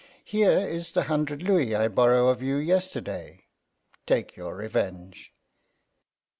Here is the hunder' louis I borrow of you yesterday. Take your revenge.